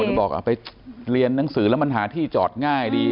คือบอกไปเรียนหนังสือแล้วมันหาที่จอดง่ายดี